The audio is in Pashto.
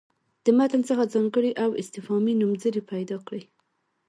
له متن څخه ځانګړي او استفهامي نومځړي پیدا کړي.